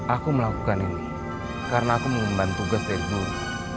aku melakukan ini karena aku mengemban tugas dari dulu